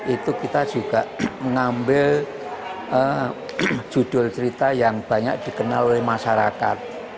itu kita juga mengambil judul cerita yang banyak dikenal oleh masyarakat